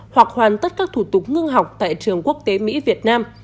hoặc hoàn tất các thủ tục ngưng học tại trường quốc tế mỹ việt nam